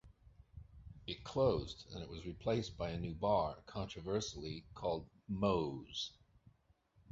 It closed and was replaced by a new bar, controversially called Mo's.